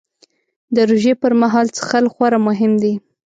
د روژې پر مهال څښل خورا مهم دي